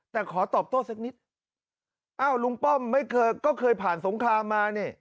แต่ขอตอบโต้สักนิดอ้าวลุงป้อมไม่เคยก็เคยผ่านสงครามมานี่